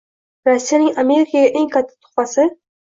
Rossiyaning Amerikaga eng katta tuhfasi